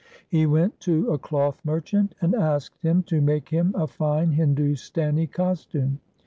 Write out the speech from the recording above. He went to a cloth merchant and asked him to make him a fine Hindustani costume.